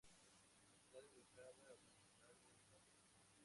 Está dedicada a San Nicolás de Bari.